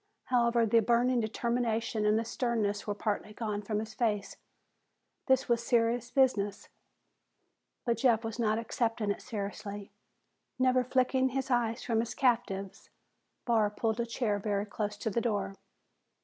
However, the burning determination and the sternness were partly gone from his face. This was a serious business but Jeff was not accepting it seriously. Never flicking his eyes from his captives, Barr pulled a chair very close to the door.